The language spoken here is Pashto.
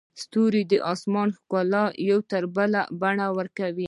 ستوري د اسمان ښکلا ته یو بله بڼه ورکوي.